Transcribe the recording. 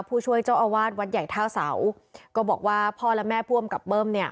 ผู้ช่วยเจ้าอาวาสวัดใหญ่ท่าเสาก็บอกว่าพ่อและแม่ผู้อำกับเบิ้มเนี่ย